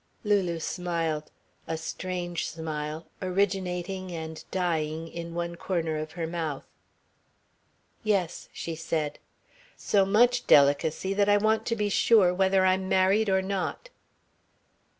Lulu smiled a strange smile, originating and dying in one corner of her mouth. "Yes," she said. "So much delicacy that I want to be sure whether I'm married or not."